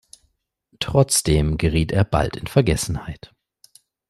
Trotzdem geriet er bald in Vergessenheit.